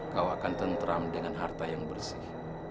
kau akan tentram dengan harta yang bersih